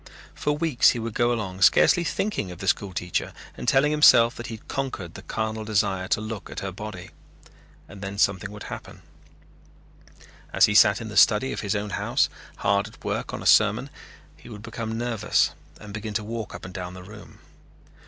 For weeks he would go along scarcely thinking of the school teacher and telling himself that he had conquered the carnal desire to look at her body. And then something would happen. As he sat in the study of his own house, hard at work on a sermon, he would become nervous and begin to walk up and down the room.